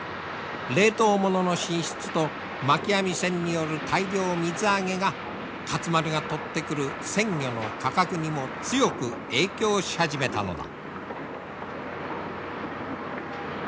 冷凍物の進出とまき網船による大量水揚げが勝丸が取ってくる鮮魚の価格にも強く影響し始めたのだ。